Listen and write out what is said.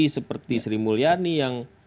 seperti sri mulyani yang